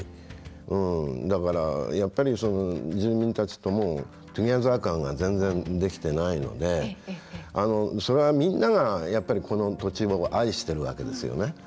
だから、やっぱり住民たちともトゥギャザー感が全然できてないのでそれは、みんながやっぱり、この土地を愛してるわけですよね。